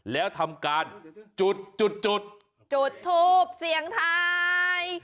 แล้วทำการจุดจุดถูบเสียงไทย